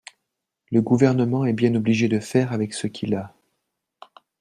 Le Gouvernement est bien obligé de faire avec ce qu’il a.